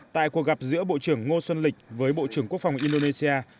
tại cuộc gặp giữa bộ trưởng ngô xuân lịch với bộ trưởng quốc phòng indonesia